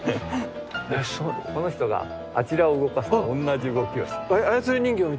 この人があちらを動かすと同じ動きをします。